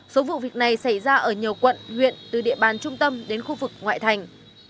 số vụ việc này xảy ra ở nhiều quận huyện từ địa bàn trung tâm đến khu vực ngoại thành